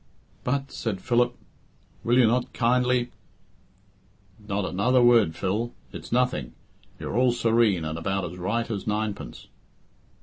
"But," said Philip, "will you not kindly " "Not another word, Phil. It's nothing. You're all serene, and about as right as ninepence."